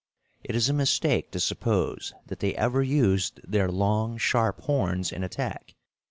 It is a mistake to suppose that they ever used their long, sharp horns in attack.